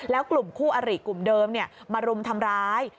แล้วกลุ่มคู่อริกลุ่มเดิมมารุมทำร้าย